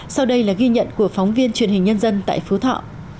sau đây là ghi nhận của phóng viên truyền hình nhân dân tại phú thọ